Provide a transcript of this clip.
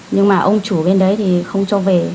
nhưng mà ông chủ bên đấy thì không cho về